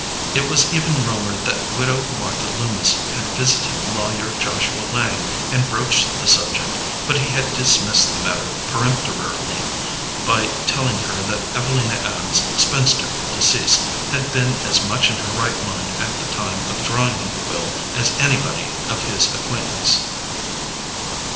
It was even rumored that Widow Martha Loomis had visited Lawyer Joshua Lang and broached the subject, but he had dismissed the matter peremptorily by telling her that Evelina Adams, spinster, deceased, had been as much in her right mind at the time of drawing the will as anybody of his acquaintance.